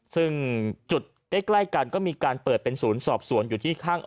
ซึ่งจุดใกล้กันก็มีการเปิดเป็นศูนย์สอบสวนอยู่ที่ข้าง